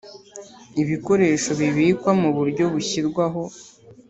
Ibikoresho bibikwa mu buryo bushyirwaho